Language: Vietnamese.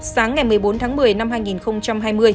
sáng ngày một mươi bốn tháng một mươi năm hai nghìn hai mươi